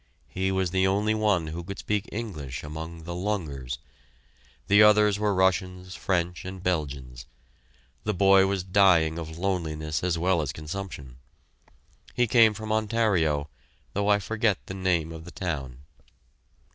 He was the only one who could speak English among the "lungers." The others were Russians, French, and Belgians. The boy was dying of loneliness as well as consumption. He came from Ontario, though I forget the name of the town.